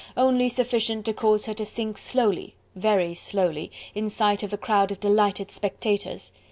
only sufficient to cause her to sink slowly, very slowly, in sight of the crowd of delighted spectators.